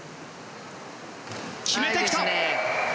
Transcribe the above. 決めてきた！